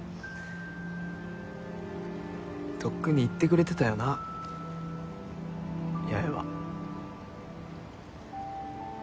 とっくに言ってくれてたよな八重は。